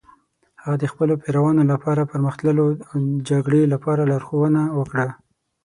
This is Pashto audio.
هغه د خپلو پیروانو لپاره د پرمخ تللو او جګړې لپاره لارښوونه وکړه.